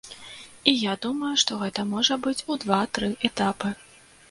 І я думаю, што гэта можа быць у два-тры этапы.